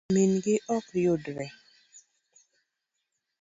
nyiminegi ok yudre